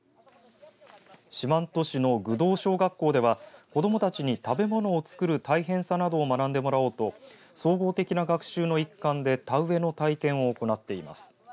四万十市の具同小学校では子どもたちに食べ物を作る大変さなどを学んでもらおうと総合的な学習の一環で田植えの体験を行っています。